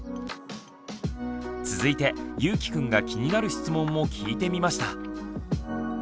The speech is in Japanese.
続いてゆーきくんが気になる質問も聞いてみました。